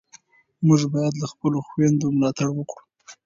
موږ باید له خپلو خویندو ملاتړ وکړو.